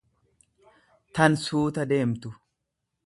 tan suuta deemtu.